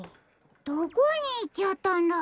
どこにいっちゃったんだろ？